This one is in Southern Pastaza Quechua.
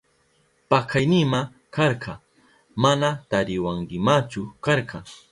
Pakaynima karka, mana tariwankimachu karka.